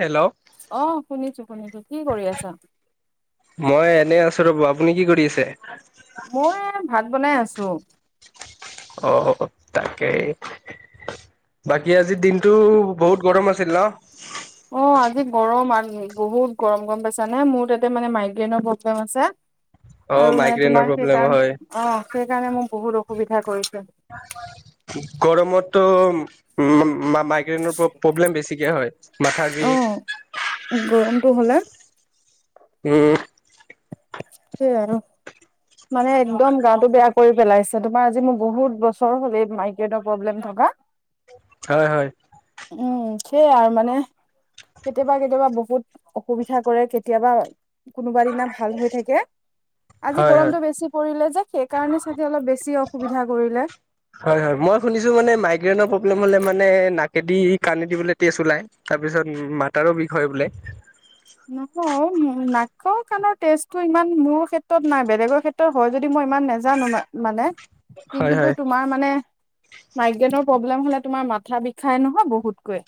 Hello আহ শুনিছো শুনিছো কি কৰি আছা? মই এনেই আছো ৰব আপুনি কি কৰি আছে? মই ভাত বনাই আছো। অঁ তাকেই। বাকী আজিৰ দিনটো বহুত গৰম আছিল ন? অ' আজি গৰম আৰু বহুত গৰম গৰম পাইছানে মোৰ তাতে মানে মাইগ্ৰেইনৰ প্ৰব্লেম আছে। অ' আৰু মানে মাইগ্ৰেইনৰ তোমাৰ প্ৰব্লেম হয়। সেইকাৰণে অ সেইকাৰণে মোক বহুত অসুবিধা কৰিছে। গৰমতো উম। মাইগ্ৰেইনৰ প্ৰব্লেম বেছিকে হয় মাথাাৰ অ বিষ। গৰমটো হলে উম। সেইয়াই ন। মানে একদম গাতো বেয়া কৰি পেলাইছে, তোমাৰ আজি মোৰ বহুত বছৰ হ'লে মাইক্ৰেৰ প্ৰব্লেম থকা। ক হয় হয়। সেইয় আৰু মানে কেতিয়াবা কেতিয়াবা বহুত অসুবিধা কৰে কেতিয়াবা। কোনোবা দিনা ভাল হৈ থাকে। আজি হয় হয় গৰমতটো বেছি পৰিলে যে সেইকাৰণে চাগে অলপ বেছি অসুবিধা কৰিলে। হয় হয় মই শুনিছ মানে মাইগ্ৰেইনৰ প্ৰব্লেম হলে মানে নাকেদি, কানদি‌ বোলে তেজ ওলাই, তাৰপিছত মাতাৰো বিষ হয় বোলে। ক' কণৰ টেষ্ট টইমান মোৰ ক্ষেত্ৰত নাই, বেলেগৰ ক্ষেত্ৰত হয় যদি মই ইমান নেজানো মানে। কি হয় কিন্তু হয় তোমাৰ মানে মাইগ্ৰেনৰ প্ৰব্লেম হলে তোমাৰ মাথা বিষাই নহয় বহুতকৈ।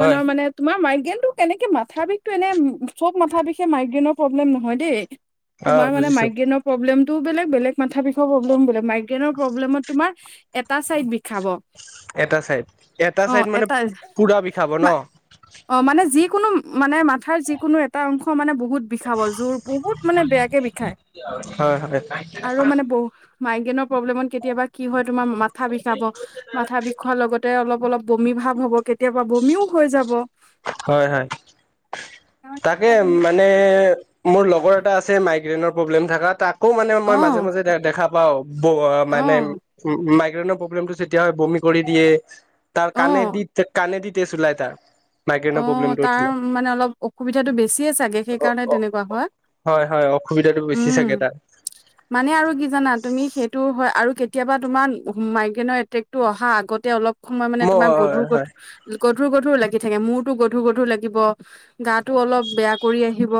হয় মানে তোমাৰ মাইগ্ৰেইন টো কেনেকে মাথা বিষ এনে চব মাথা বিষে মাইগ্ৰেইনৰ প্ৰব্লেম নহয় দেই, অ' তোমাৰ মানে বুজিছো মাইগ্ৰেইনৰ প্ৰব্লেম তটো বেলে, বেলেগ মাথা বিষৰ প্ৰব্লেম বেলেক, মাইগ্ৰেইনৰ প্ৰব্লেমত তোমাৰ এটা চাইদ বিষাব। এটা চাইড, এটা অ চাইড মানে এটা পুৰা বিষাব ন? য কোনো মানে মাথাৰ যিকোনো এটা অংশ মানে বহুত বিষাব জোৰ বহুত মানে বেয়াকে বিষায়, হয় হয় আৰু মানে বহু মাইগ্ৰেনৰ প্ৰব্লেমত কেতিয়াবা কি হয় তোমাৰ মাথা বিষাব মাথা বিষোৱাৰ লগতে অলপ অলপ বমি ভাব হ'ব, কেতিয়াবা বমিও হৈ যাব। হয়-হয় তাকে মানে মোৰ লগৰ এটা আছে মাইগ্ৰেেইনৰ প্ৰব্লেম থকা তাত আকৌ মানে অ মই মাজে-মাজে দেখা পাও অ মানে মাইগ্ৰেণৰ প্ৰব্লেম যেতিয়া বমি কৰি দিয়ে তাৰ অ কাণে দি- কাণে দি তেজ ওলাই তাৰ। মাইগ্ৰেইনৰ অ' প্ৰব্লেমটো তাৰ উঠিলে মানে অলপ অসুবিধাটো বেছিয়ে চাগে অ সেইকাৰণে অ তেনেকুৱা হয়। হয় হয় অসুবিধাটো বেছি উম' চাগে তাৰ মানে আৰু কি জানা, তুমি সেইটো হয় আৰু কে কেতিয়াবা তোমাৰ মাইগ্ৰেনৰ এতেকটো অহা আগতে অলপ সময় মানে মই তোমাৰ গধুৰ হয় গধুৰ- গধুৰ- গধুৰ লাগিল চাগে মূৰতো গধুৰ, গধুৰ লাগিব গাটো অলপ বেয়া কৰি আহিব।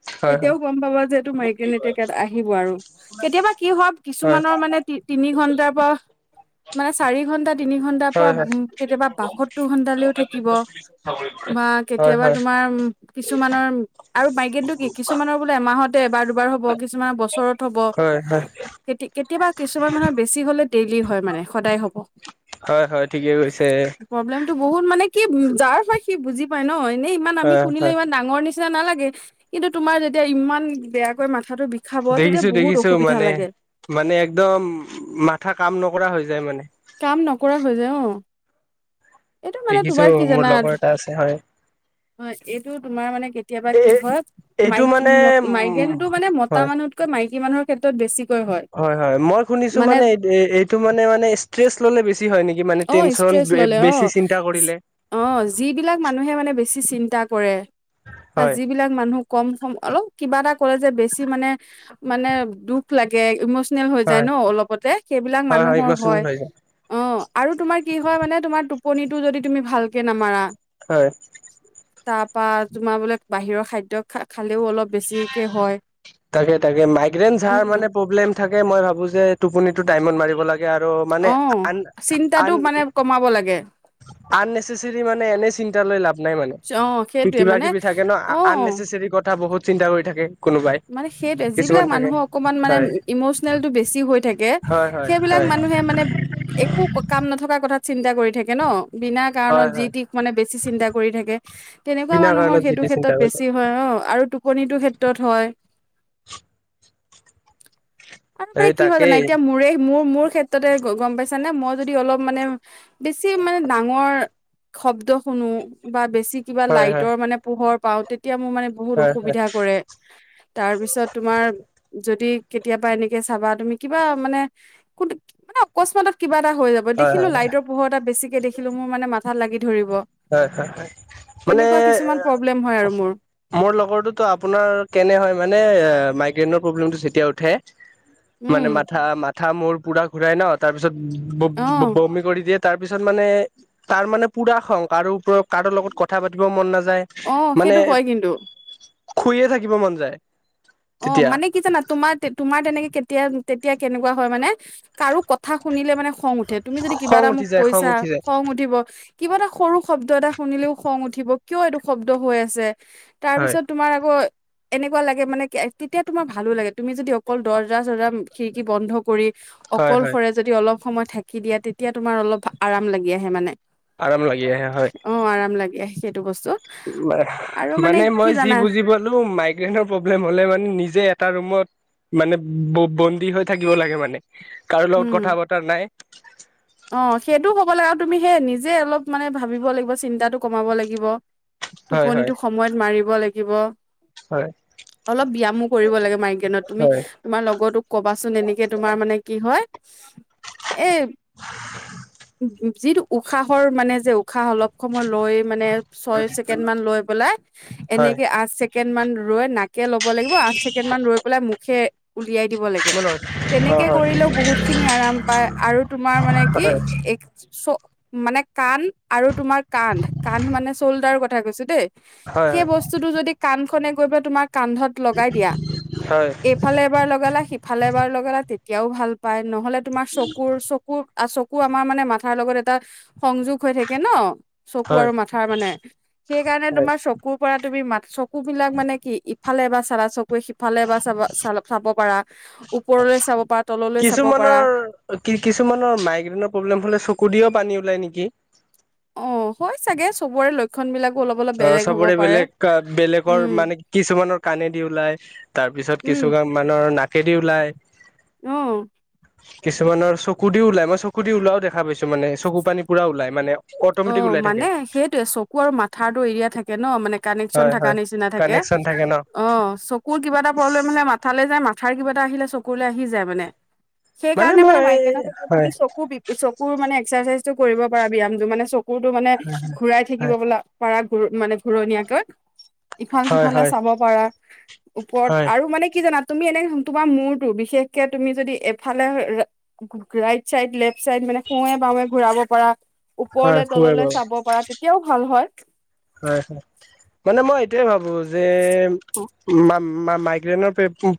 হয় হয় তেতিয়াও গম পাব যে এইটো মাইগ্ৰেইন এতিয়া আহিব আৰু কেতিয়াবা কি হয় কিছুমানৰ মানে তিনি ঘণ্টাৰ পৰা মানে চাৰি ঘণ্টাত। তিনি ঘন্টাৰ পৰা হয় হয় কেতিয়াবা বাসত্তৰ ঘণ্টালেও থাকে। [unintelligible] বা হয় কেতিয়াবা তোমাৰ কিছুমানৰ আৰু মাইকেটটো কি কিছুমানৰ বোলে আমাৰ আহতে এবাৰ দুবাৰ হ'ব কিছুমানৰ বছৰত হ'ব হয় হয় কেতি কেতিয়াবা কিছুমান মানুহে বেছি হ'লে দেইলী হয় মানে সদায় হ'ব। হয় হয় ঠিকে কৈছে সি যাৰ হয় সি বুজি পায় ন' এনেই ইমান আমি হয় শুনিলে হয় ইমান ডাঙৰ নিচিনা নিচিনা নালাগে কিন্তু তোমাৰ যেতিয়া ইমান বেয়াকৈ মা দেখিছো, দেখিছো মানে মানে একদম মাথা কাম নকৰা হৈ যায় মানে। কাম নকৰা হৈ যায় অ'। এইটো মানে দেখিছো তোমাৰ কি মোৰ জানা। লগৰ এটা আছে হয় হয়, এইটো তোমাৰ মানে কেতিয়াবা এ কি হয়, এইটো মাইকী মানে উম মাইগ্ৰেনটো মানে মতা মানুহতকৈ মাইকী কি মানুহৰ ক্ষেত্ৰত বেছি। হয়-হয় মই শুনিছো মানে, এইটো মানে মানে ষ্ট্ৰেছ ল'লে বেছি হয় নেকি মানে অ' টেনচন ষ্ট্ৰেচ ল'লে বেছি চিন্তা কৰিলে অ'-অ' যিবিলাক মানুহে মানে বে বেছি চিন্তা কৰে বা হয় যিবিলাক মানুহ কম সম অলপ কিবা এটা কৰে যে বেছি মানে মানে দুখ লাগে ইমচ হৈ যায় হয় ন অলপতে সেইবিলাক হয় মানুহৰ ইমচনেল হয় হৈ যায় অ' আৰু তোমাৰ কি হয় মানে, তোমাৰ টোপনিটো যদি তুমি ভালকে নামাৰা। হয়। তাৰপা তোমাৰ বোলে বাহিৰৰ খাদ্য খা খালে। তাকে তাকে মাইগ্ৰেন যাৰ উম মানে প্ৰব্লেম থাকে মই ভাবো যে টোপনিটো টাইমত মাৰিব লাগে আৰু অ মানে আন- চিন্তাটো আন মানে কমাব লাগে আননেচেচাৰী মানে এনে চিন্তা লৈ লাভ নাই মানে অ কি সেইটোয়ে কিবা মানে কিবি থাকে ন' অ আননেচেচৰী কথা বহুত চিন্তা কৰি থাকে। কোনোবাই মানে সেই কিছুমান যিবিলাক থাকে মানুহৰ অকমান মানে হয় ইমচনেলটো বেছি হৈ থাকে হয় হয় সেইবিলাক হয় মানে মানুহে মানে একো কাম নথকা কথা থাকে ন বিনা হয় কাৰণত হয় যি-টি মানে বেছি চিন্তা কৰি থাকে। তেনেকুৱা বিনা মানুহৰ কাৰণত যি সেইটো টি চিন্তা ক্ষেত্ৰত বেছি কৰি থাকে বেছি হয় অ' আৰু টোপনিতো ক্ষেত্ৰত হয়। [inaudible] আৰু মানে সেই কি হয় জানা, তাকেই এতিয়া মোৰে মোৰ মোৰ ক্ষেত্ৰতে গম পাইছানে মই যদি অলপ মানে বেছি মানে ডাঙৰ শব্দ শুনো কিবা বেছি কিবা হয় হয় লাইটৰ মানে পোহৰ পাও, তেতিয়া মোৰ মানে বহুত হয় হয় অসুবিধা কৰে। তাৰপিছত তোমাৰ যদি কেতিয়াবা এনেকে চাবা তুমি কিবা মানে কোনটো মান অকস্মাত কিবা এটা হৈ যাব। হয় দেখিলো হয় লাইটৰ পোহৰ এ বেছিকে দেখিলো, মোৰ মানে মাথাত লাগি ধৰিব হয়-হয় মানে তেনেকুৱা কিছুমান প্ৰব্লেম হয় আৰু মোৰ মোৰ লগৰটোতো আপোনাৰ কেনে হয় মানে মাইগ্ৰেণ ৰ প্ৰব্লেম যেতিয়া উঠে মানে উম মাথা মাথা মোৰ পূৰা ঘূৰাই ন তাৰপিছত অ বমি কৰি দিয়ে। তাৰ পিছত মানে তাৰ মানে পুৰা খং কাৰো ওৰত কাৰো লগত কথা পাতিব মন নাযায়। অ মানে সেইটো হয় কিন্তু শুইয়ে থাকিব মন যায়। অ তেতিয়া মানে কি জানা তোমাৰ তোমাৰ তেনেকে। তেতিয়া কেনেকুৱা হয়। মানে কাৰো কথা শুনিলে মানে খং উঠে। উঠে তুমি যদি কিবা খং এটা উঠি মোক যায় খং কৈছা উঠি যায় খং উঠিব। কিবা এটা সৰু শব্দ এটা শুনিলেও খং উঠিব কিয়। এইটো শব্দ হৈ আছে। তাৰ হয় পিছত তোমাৰ আকৌ এনেকুৱা লাগে মানে। তেতিয়া তোমাৰ ভালো লাগে তুমি যদি অকল দৰ্জা চৰ্জা খিৰিকী বন্ধ কৰি। হয় হয় অকলশৰে যদি অলপ সময় থাকি দিয়া তেতিয়া তোমাৰ অলপ আৰাম লাগি আহে মানে। আৰাম লাগি আহে হয় অ আৰাম লাগে। মানে কি মই যি জানা বুজি পালো মাইগ্ৰেনৰ প্ৰব্লেম। হ'লে মানে নিজে এটা ৰুমত মানে বন্দী হৈ থাকিব লাগে মানে। কাৰো লগত উম কথা বতৰা নাই। অ সেইটো হ'ব লাগে, আৰু তুমি সেই নিজে অলপ মানে ভাবিব লাগিব চিন্তাটো কমাব লাগিব। হয় হয় টোপনিতটো সময়ত মাৰিব লাগিব। হয়। হয় [unintelligible] এ যিটো উশাহৰ খাহ অলপ সময় লৈ মানে ছয় ছেকেণ্ড মান লৈ পেলাই হয় এনেকে আছে ছেকেণ্ড মান ৰৈ নাকে ল'ব লাগিব। আঠ ছেকেণ্ড মান ৰৈ পেলাই মুখে উলিয়াই দিব লাগে। মোৰ লগত অ তেনেকে হয় কৰিলেও বহুত খিনি আৰাম পায় আৰু তোমাৰ মানে কি? হয় মানে কাণ আৰু তোমাৰ কান্ধ কান্ধ মানে চল্ডাৰ কথা কৈছো দেই। হয় সেই বস্তুতটো যদি কাণখনে গৈ পেলাই তোমাক। কান্ধত লগাই দিয়া হয় এইফালে এবাৰ লগালা সিফালে এবাৰ লগালা তেতিয়া। এতিয়াও ভাল পায় নহ'লে তোমাৰ চকুৰ চকুৰ চকু আমাৰ মানে মাথাৰ লগত এটা। সংযোগ হৈ থাকে ন চকু হয় আৰু মাথাৰ মানে সেইকাৰণে হয় তোমাৰ চকুৰ পৰা তুমি মা। চকু বিলাক মানে কি ইফালে বা চাবা চকু। কৈ সিফালে বা চাব চ চাব পাৰা ওপৰলৈ চাব পাৰা তললৈ চাব পাৰা। কিছুমানে মাইগ্ৰেইন প্ৰব্লেম হ'লে চকু দি পানী ওলাই নেকি? অ হয় চাগে চবৰে লক্ষণ বিলাক। অ চবৰে বেলেগ বেলেগৰ উম মানে কিছুমানৰ কণেদি ওলাই। তাৰ পিছত কিছুমান মানুহৰ নাকেদি ওলাই। উম। কিছুমানৰ চকু দি ওলাই। মই চকু দি ওলাও দেখা পাইছো। মান চকু পানী পুৰা ওলাই মানে। অ অটমেটিক ওলাই থাকে মানে সেইটয়ে চকু আৰু মাথাৰটো এৰিয়াত। থাকে ন মানে কানেকচন হয় থাকা হয় নিচিনা থাকে। কানেকচন থাকে ন অ চকুৰ কিবা এটা প্ৰব্লেম হলে মাথালে যায় মা থাৰ কিবা এটা আহিলে চকুলৈ আহি যায় মানে। সেইকাৰণে মানে মই মাইকে [unintelligible] তুমি হয় চকু চকুৰ মানে এক্সাৰচাইজটো কৰিব পাৰা ব্যয়ামটো মানে কুকুৰটো মানে ঘূৰাই হয় থাকিবো পাৰা মানে ঘূৰণীয়াকৈ। ইখন হয় সিফালে হয় চাব পাৰা। ওপৰত হয় আৰু মানে কি জানা তুমি এনে তোমাৰ মূৰতটো বিশেষকে তুমি যদি এফালে ৰাইট চাইড, লেফট চাইড মানে ফোৱে বাওঁৱে ঘূৰাব পাৰ, হয় খুৱে ওপৰলে-তললে বাৰু চাব পাৰা তেতিয়াও ভাল হয়। হয় হয়। মানে মই এটয়াই ভাবো যে মাইগ্ৰেনৰ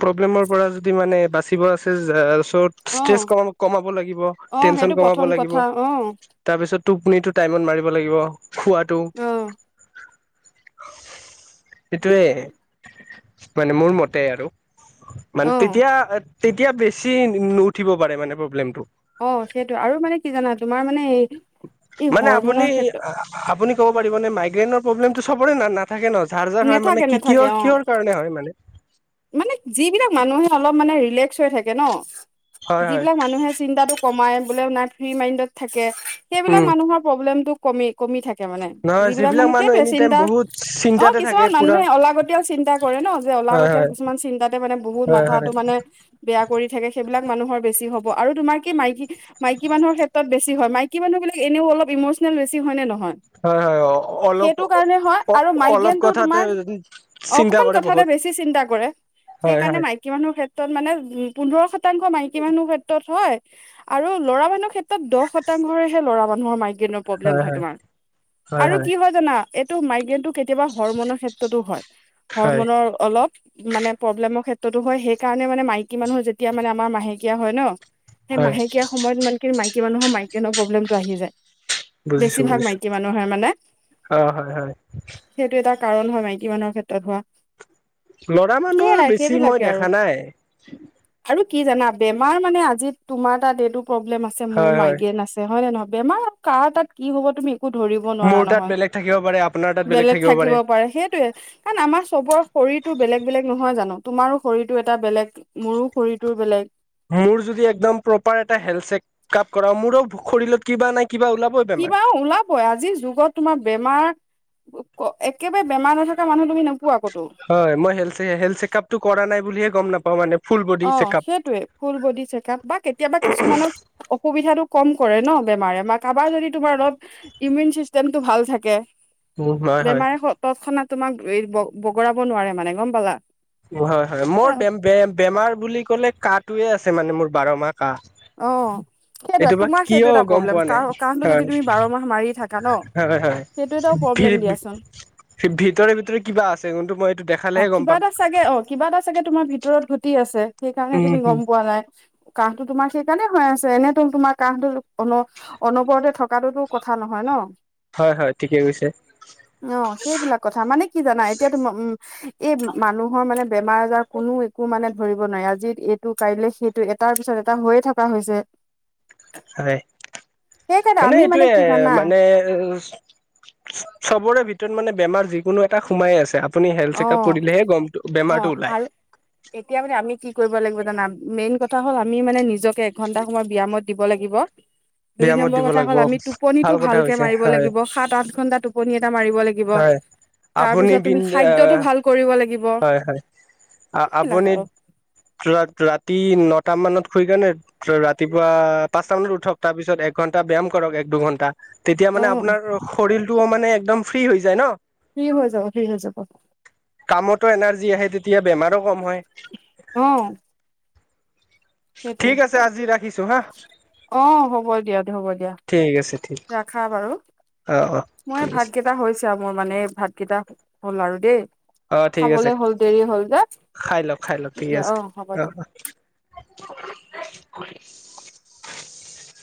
প্ৰব্লেমৰ পৰা যদি মানে বাচিব আছে যে ত' ষ্ট্ৰেছ অ', কমাব লাগিব, অ', সেইটো টেনচন কমাব প্ৰথম লাগিব, কথা অ', তাৰপিছত টোপনিটো টাইমত মাৰিব লাগিব খোৱাটো। অ', সেইটোৱে মানে মোৰ মতে আৰু। মানে অ'। তেতিয়া তেতিয়া বেছি নু উঠিব পাৰে মানে প্ৰব্লেমতটো। অ' সেইটো আৰু মানে কি জানা তোমাৰ মানে এই মানে হৰমনৰ ক্ষেত্ৰত আপুনি-আপুনি ক'ব পাৰিব নে মাইগ্ৰেইনৰ প্ৰব্লেমটো চবৰে না না। থাকে ন ঝাৰ যাৰ হয় নেথাকে মানে কি নেথাকে কিহৰ- অ কিহৰ কাৰণে হয় মানে। মানে যিবিলাক মানুহে অলপ মানে ৰিলেক্স হৈ থাকে ন হয় হয় যিবিলাক মানুহে চিন্তাটো কমাই বোলে নাই ফ্ৰী মাইণ্ডত থাকে সেইবিলাক উম মানুহৰ প্ৰব্লেমটো কমি। কমি থাকে মানে, নহয় যিবিলাক মানুহ সেইটোৱে এনি টাইম চিন্তা। বহুত অ' চিন্তাতে থাকে কিছুমান পুৰা মানুহে অলাগতিয়াল চিন্তা কৰে ন যে হয় অলাগত আ হয় কিছুমান চিন্তাতে মানে বহুত হয় হয় মাথাাতো মানে বেয়া কৰি থাকে সেইবিলাক মানুহৰ বেছি হ'ব আৰু তোমাৰ কি মাই -মাইকী মানুহৰ ক্ষেত্ৰত বেছি হয় মাইকী মানুহ বিলাক এনেও অলপ ইমচন বেছি হয় নে নহয়। হয় হয় অলপ সেইটো কাৰণে হয় অ আৰু অলপ মাইগ্ৰেনটো কথাতে তোমাৰ চিন্তা অকমান কৰে কথাতে বহুত বেছি চিন্তা কৰে হয় সেইকাৰণে হয় মাইকী মানুহৰ ক্ষেত্ৰত মানে উম পোন্ধৰ শতাংশ মাইকী মানুহৰ ক্ষেত্ৰত হয় আৰু ল'ৰা মানুহৰ ক্ষেত্ৰত দহ শতাংশৰহে ল'ৰা মানুহৰ মাই [unintelligible] প্ৰব্লেম হয় তোমাৰ আৰু কি হয় জানা, এইটো মাইগ্ৰেইন টো কেতিয়াবা হৰমনৰ ক্ষেত্ৰতো হয় হয় হৰমনৰ অলপ মানে প্ৰব্লেমৰ ক্ষেত্ৰতো হয়, সেই কাৰণে মানে মাইকী মানুহৰ যেতিয়া মানে আমাৰ মাহেকীয়া হয় ন। সেই হয় মাহেকীয়া সময়ত মানে মাইকী মানুহৰ মাইগ্ৰেইন প্ৰব্লেমটো আহি যায়। বুজিছো বেছিভাগ বুজিছো মাইকী মানুহে মানে অ হয় হয় সেইটো এটা কাৰণ হয় মাইকী মানুহৰ ক্ষেত্ৰত হোৱা। ল'ৰা মানুহৰ সেয়াই বেছি মই সেইবিলাকে আৰু দেখা নাই। আৰু কি জানা বেমাৰ মানে আজি তোমাৰ তাত এইটো প্ৰব্লেম আছে মোৰ হয় হয় মাইগ্ৰেন আছে হয় নে নহয়। বেমাৰ কাৰ তাত কি হ'ব তুমি [unintelligible] ধৰিব নোৱাৰা মোৰ তাত নহয় বেলেগ থাকিব পাৰে আপোনাৰ তাত বেলেগ থাকিব পাৰে সেইটোৱে কাৰণ আমাৰ চবৰ শৰীৰটোৰ বেলেগ বেলেগ নহয় জানো তোমাৰো শৰীৰটো এটা বেলেগ মোৰো শৰীৰটোৰ বেলেগ। মোৰ যদি একদম প্ৰপাৰ হেলথ চেক আপ কৰাও মোৰো শৰীৰত কিবা নহয় কিবা ওলাবই আজিৰ যুগত তোমাৰ বেমাৰ একেবাৰে বেমাৰ নথকা মানুহ তুমি ন হয় মই হ চেকআপটো কৰা নাই বুলিহে গম নাপাও মানে। ফুল বডি অ' চেক আপ সেইটোৱে ফুল বডী চেক আপ বা কেতিয়াবা কিছুমানৰ অসুবিধাটো কম কৰে ন বেমাৰে বা কাৰবাৰ যদি তোমাৰ অলপ ইমিউন চিষ্টেমটো ভাল থাকে। হয় হয় বেমাৰে তৎক্ষণাত তোমাক বগৰাব নোৱাৰে মানে গম পালা। হয়-হয় সেইটোৱে মোৰে বেম বেমাৰ বুলি ক'লে কাঁহটোয়ে আছে মানে মোৰ বাৰ মাহ। কাহ অ'। সেইটো এইটো বা তোমাৰ কিয় সেইটো এটা গম প্ৰব্লেম পোৱা নাই কাহ কাহটো যদি তুমি হয় বাৰ মাহ মাৰি থাকা ন সেইটো এটা প্ৰব্লেম দিয়াচোন। সেই ভিতৰে-ভিতৰে কিবা আছে কিন্তু মই এইটো অ' দেখালেহে গম কিবা পাম। এটা চাগে অ' কিবা এটা চাগে তোমাৰ ভিতৰত ঘটি আছে সেই কাৰণে উম তুমি গম পোৱা নাই। কাহটো তোমাৰ সেইকাৰণে হৈ আছে, এনেতো তোমাৰ কাহটো অনবৰতে থকাটোতো কথা নহয়। হয় হয় ঠিকে কৈছে অ সেইবিলাক কথা মানে কি জানা এতিয়া উম এই মানুহৰ মানে বেমাৰ আজাৰ কোনো একো মানে ধৰিব নোৱাৰে আজি এইটো কাইলে সেইটো এটা তাৰ পিছত এটা হৈয়ে থকা হৈছে। হয়। সেইকাৰণে মানে আমি এইটোয়ে কি জানা মানে চবৰে ভিতৰত মানে বেমাৰ যিকোনো এটা সোমাইয়ে আছে, আপুনি হেল্থ অ ছেকআপ কৰিলেহে গমটো অ বেমাৰটো ওলাই। আৰু এতিয়া মানে আমি কি কৰিব লাগিব জানা, মেইন ক কথা হ'ল আমি মানে নিজকে এঘন্টা সময় ব্যায়ামত দিব লাগিব। দুই ব্যায়ামত নম্বৰ দিব কথা লাগিব হ'ল আমি টোপনিটো ভাল কথা ভালকে হৈছে মাৰিব হয় লাগিব সাত আঠ ঘন্টা টোপনি মাৰিব লাগিব, হয় আপুনি তাৰপিছত বিন তুমি খাদ্যটো ভাল কৰিব লাগিব। হয়, হয়। সেইবিলাক আ-আপুনি আৰু ৰা-ৰাতি ই নটা মানত শুই কেনে ৰাতিপুৱা পাঁচটা মানত উঠক, তাৰ পিছত একঘন্টা ব্যায়াম কৰক এক দুঘন্টা। তেতিয়া অ মানে আপোনাৰ শৰীৰটোও মানে একদম ফ্ৰী হৈ যায় ন? ফ্ৰি হৈ যাওঁ। ফ্ৰি হৈ যাব। কামতো এনাৰ্জি আহে তেতিয়া বেমাৰো কম হয়। অ সেইটোৱে ঠিক আছে আজি ৰাখিছো হাঁ। অ', হ'ব দিয়াত। হ'ব দিয়া। ঠিক আছে ঠিক ৰাখা বাৰু, অ অ মই ঠিক আছে ভাতকেইটা হৈছে আও। মোৰ মানে ভাতকেইটা হ'ল আৰু দেই। অ', ঠিক আছে খাবলে হ'ল দেৰি হ'ল যে খাই লক খাই লক ঠিক দিয়া আছে অ হ'ব দিয়া অ', অ', [inaudible]